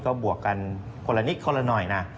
ก็บวกกันคนละนิดคนละหน่อยนะ